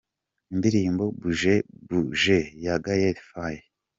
Indirimbo Bouge a Bouja ya Gaël Faye .